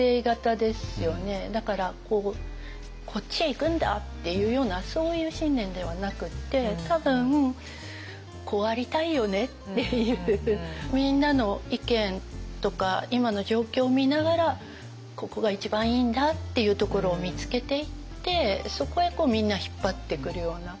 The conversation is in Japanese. だから「こっちへ行くんだ！」っていうようなそういう信念ではなくって多分「こうありたいよね」っていうみんなの意見とか今の状況を見ながらここが一番いいんだっていうところを見つけていってそこへみんな引っ張ってくるような。